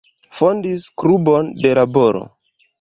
Fondis Klubon de Laboro.